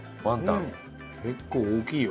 結構大きいよ。